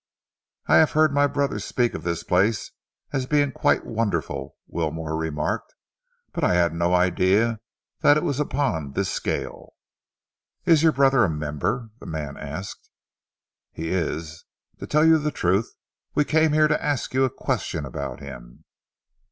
"I lave heard my brother speak of this place as being quite wonderful," Wilmore remarked, "but I had no idea that it was upon this scale." "Is your brother a member?" the man asked. "He is. To tell you the truth, we came here to ask you a question about him."